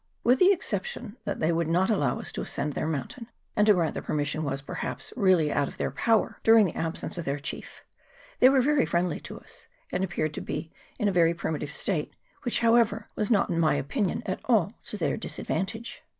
With the exception that they would not allow us to ascend their mountain and to grant the per mission was, perhaps, really out of their power during the absence of their chief they were very friendly to us, and appeared to be in a very primitive state, which, however, was not, in my opinion, at all to their disadvantage.